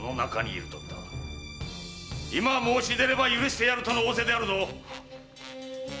今申し出れば許してやるとの仰せであるぞ！